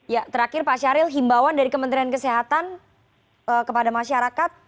ya terakhir pak syahril himbawan dari kementerian kesehatan kepada masyarakat